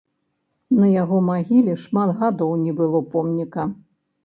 На яго магіле шмат гадоў не было помніка.